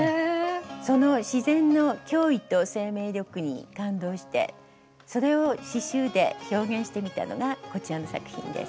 その自然の驚異と生命力に感動してそれを刺しゅうで表現してみたのがこちらの作品です。